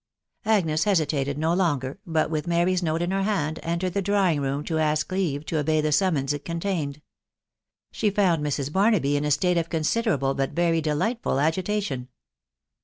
Agnes hesitated no longer, but, with Mary's note in her hand, entered the drawing room to ask leave to obey the sum mons it contained. She found Mrs. Barnaby in a state of considerable, but very delightful agitation.